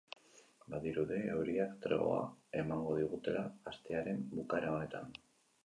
Badirudi euriak tregoa emango digula astearen bukaera honetan.